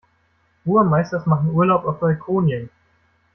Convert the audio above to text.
Burmeisters machen Urlaub auf Balkonien.